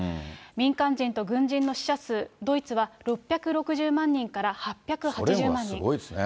民間人と軍人の死者数、ドイツは６６０万人から８８０万人。